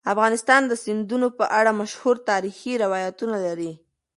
افغانستان د سیندونه په اړه مشهور تاریخی روایتونه لري.